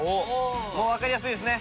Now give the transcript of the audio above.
もうわかりやすいですね。